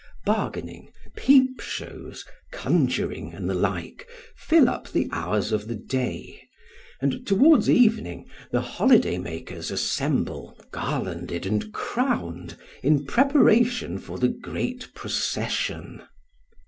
Bargaining, peep shows, conjuring, and the like fill up the hours of the day; and towards evening the holiday makers assemble garlanded and crowned in preparation for the great procession.